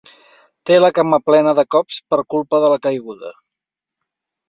Té la cama plena de cops per culpa de la caiguda.